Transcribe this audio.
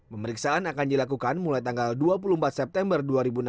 pemeriksaan akan dilakukan mulai tanggal dua puluh empat september dua ribu enam belas